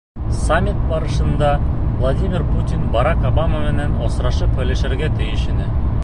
Саммит барышында Владимир Путин Барак Обама менән осрашып һөйләшергә тейеш ине.